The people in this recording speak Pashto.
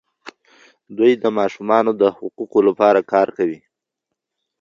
دوی د ماشومانو د حقونو لپاره کار کوي.